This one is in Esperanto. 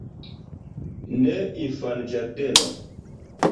Ne infanĝardeno.